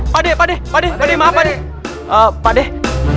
pak deh pak deh pak deh maaf pak deh